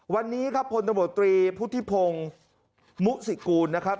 วันนี้ครับพลตมตรีพุทธิพงศ์มุสิกูลนะครับ